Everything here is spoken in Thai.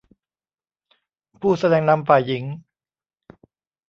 ผู้แสดงนำฝ่ายหญิง